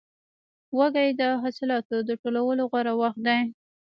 وږی د حاصلاتو د ټولولو غوره وخت دی.